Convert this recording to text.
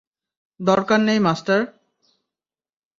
দরকার নেই, মাস্টার।